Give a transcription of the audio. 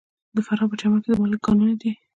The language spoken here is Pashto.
د فراه په پرچمن کې د مالګې کانونه دي.